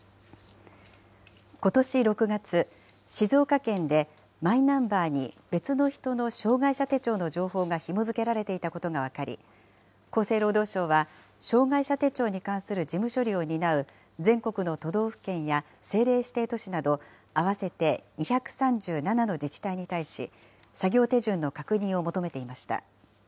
ことし６月、静岡県でマイナンバーに別の人の障害者手帳の情報がひも付けられていたことが分かり、厚生労働省は、障害者手帳に関する事務処理を担う全国の都道府県や政令指定都市など、合わせて２３７の自治体に対し、作業手順の確認を求めていました。